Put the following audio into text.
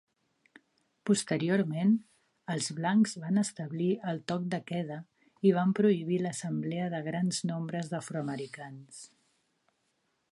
Posteriorment, els blancs van establir el toc de queda i van prohibir l'assemblea de grans nombres d'afroamericans.